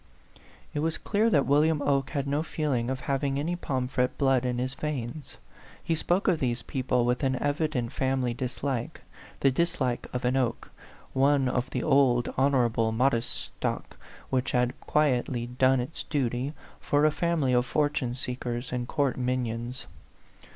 It was clear that William Oke had no feeling of having any Pomfret blood in his veins ; he spoke of these people with an evident family dislike the dislike of an Oke, one of the old, honorable, modest stock, which had quietly done its duty, for a fam ily of fortune seekers and court minions.